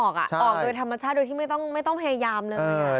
ออกโดยธรรมชาติโดยที่ไม่ต้องพยายามเลย